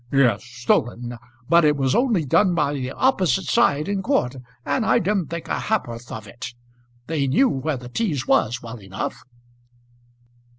"Yes; stolen. But it was only done by the opposite side in court, and I didn't think a halfporth of it. They knew where the teas was well enough."